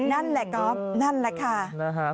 นั่นแหละก๊อฟนั่นแหละค่ะ